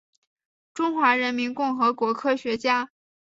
中华人民共和国科学家。